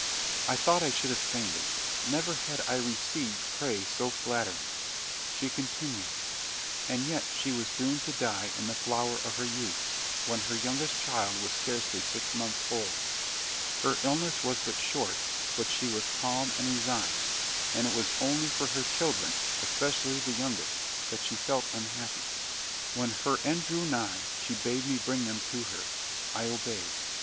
I thought I should have fainted: never had I received praise so flattering. She continued, "And yet she was doomed to die in the flower of her youth, when her youngest child was scarcely six months old. Her illness was but short, but she was calm and resigned; and it was only for her children, especially the youngest, that she felt unhappy. When her end drew nigh, she bade me bring them to her. I obeyed.